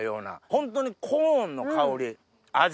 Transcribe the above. ホントにコーンの香り味